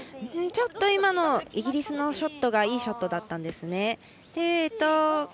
ちょっと今のイギリスのショットがいいショットだったので。